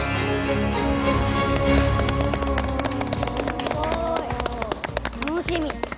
すごい！楽しみ。